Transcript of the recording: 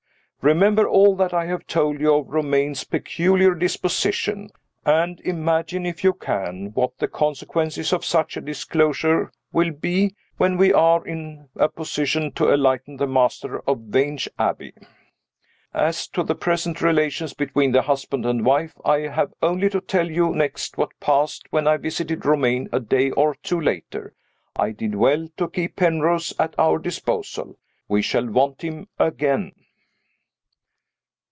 Remember all that I have told you of Romayne's peculiar disposition and imagine, if you can, what the consequences of such a disclosure will be when we are in a position to enlighten the master of Vange Abbey! As to the present relations between the husband and wife, I have only to tell you next what passed, when I visited Romayne a day or two later. I did well to keep Penrose at our disposal. We shall want him again.